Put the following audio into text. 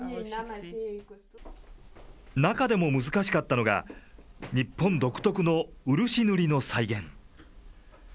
中でも難しかったのが、日本独特の漆塗りの再現。